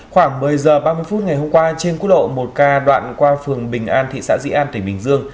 khoảng một mươi h ba mươi phút ngày hôm qua trên quốc lộ một k đoạn qua phường bình an thị xã dĩ an tỉnh bình dương